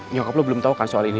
nyokap lo belum tau kan soal ini